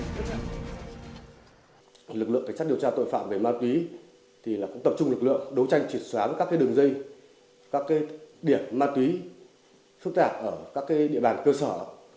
thời gian qua lực lượng cảnh sát điều tra tội phạm về ma túy tập trung lực lượng đấu tranh trịt xóa các đường dây các điểm ma túy phức tạp ở các địa bàn cơ sở